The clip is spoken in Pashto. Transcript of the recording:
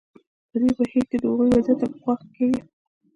په دې بهیر کې د هغوی وضعیت تر پخوا ښه کېږي.